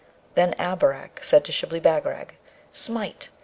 Then Abarak said to Shibli Bagarag, 'Smite!'